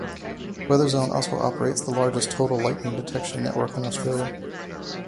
Weatherzone also operates the largest total lightning detection network in Australia.